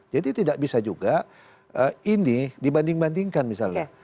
jadi tidak bisa juga ini dibanding bandingkan misalnya